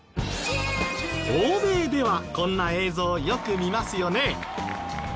欧米ではこんな映像よく見ますよね。